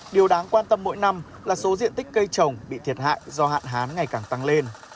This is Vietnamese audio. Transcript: điều đáng quan tâm mỗi năm là số diện tích cây trồng bị thiệt hại do hạn hán ngày càng tăng lên